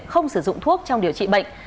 không sử dụng thuốc trong điều trị bệnh